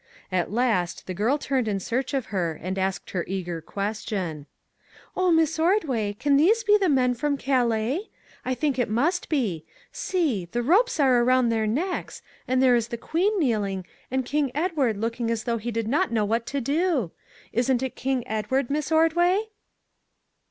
At last the girl turned in search of her and asked her eager question :" Oh, Miss Ordway, can these be the men from Calais ? I think it must be. See ! the ropes are around their necks, and there is the Queen kneeling, and King Edward looking as though he did not know what to do. Isn't it King Ed ward, Miss Ordway?"